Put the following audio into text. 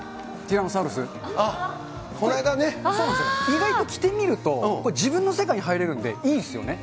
意外と着てみると、自分の世界に入れるんで、いいっすよね。